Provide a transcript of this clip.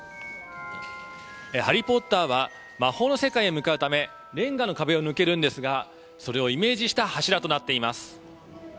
ハリー・ポッターは魔法の世界へ向かうため、レンガの壁を抜けるんですが、それをイメージした柱となっています。